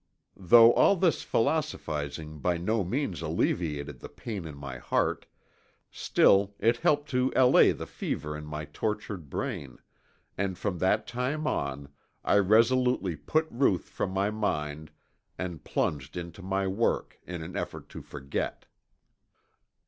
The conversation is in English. Though all this philosophizing by no means alleviated the pain in my heart, still it helped to allay the fever in my tortured brain, and from that time on I resolutely put Ruth from my mind and plunged into my work in an effort to forget.